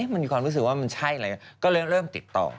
มันมีความรู้สึกว่ามันใช่อะไรก็เลยเริ่มติดต่อ